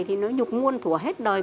thì nó nhục nguồn thủa hết đời